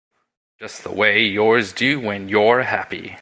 Just the way yours do when you're happy.